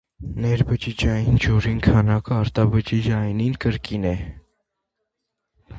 Ներբջիջային ջուրին քանակը արտաբջիջայինին կրկինն է։